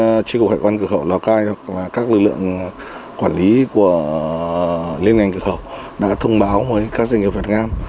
các tri cục hải quan cửa khẩu lào cai và các lực lượng quản lý của liên ngành cửa khẩu đã thông báo với các doanh nghiệp việt nam